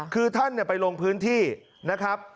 คือท่านไปลงพื้นที่นะครับ